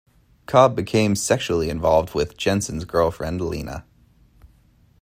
Cobb became sexually involved with Jensen's girlfriend Lena.